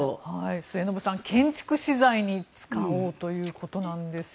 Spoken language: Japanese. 末延さん、建築資材に使おうということなんですが。